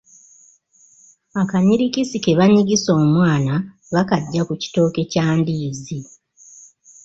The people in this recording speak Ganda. Akanyirikisi ke banyigisa omwana bakajja ku kitooke kya ndiizi.